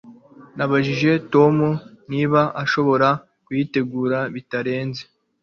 Nabajije Tom niba ashobora kuyitegura bitarenze